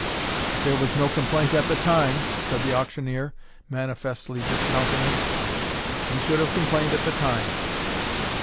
"There was no complaint at the time," said the auctioneer, manifestly discountenanced. "You should have complained at the time."